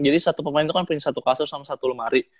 jadi satu pemain itu kan punya satu kasur sama satu lemari